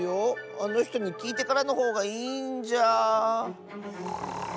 あのひとにきいてからのほうがいいんじゃ。